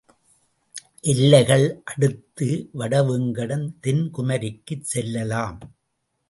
எல்லைகள் அடுத்து, வடவேங்கடம் தென்குமரிக்குச் செல்லலாம்.